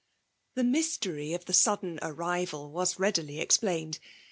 The mystery of the sudden arrival was readily explained.